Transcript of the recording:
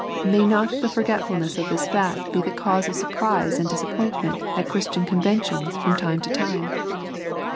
May not the forgetfulness of this fact be the cause of surprise and disappointment at Christian Conventions from time to time